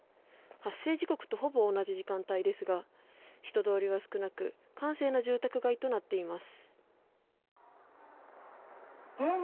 発生時刻とほぼ同じ時間帯ですが人通りは少なく閑静な住宅街となっています。